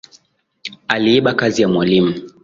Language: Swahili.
Aliiba kazi ya mwalimu